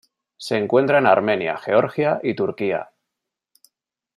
Se encuentra en Armenia, Georgia, y Turquía.